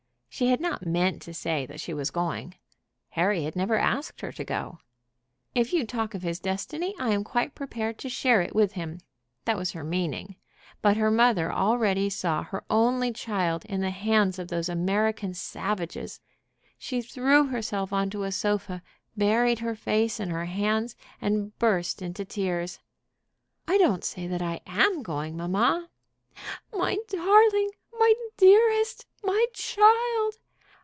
She had not meant to say that she was going. Harry had never asked her to go. "If you talk of his destiny I am quite prepared to share it with him." That was her meaning. But her mother already saw her only child in the hands of those American savages. She threw herself on to a sofa, buried her face in her hands, and burst into tears. "I don't say that I am going, mamma." "My darling my dearest my child!"